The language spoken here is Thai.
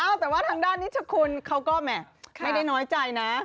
แต่ว่าทางด้านนิชคุณเขาก็แหมไม่ได้น้อยใจนะ